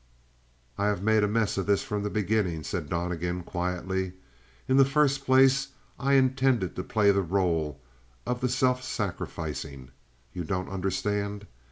"I have made a mess of this from the beginning," said Donnegan, quietly. "In the first place, I intended to play the role of the self sacrificing. You don't understand?